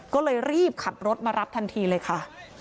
ก็เลยรีบขับรถมารับทันทีเลยค่ะ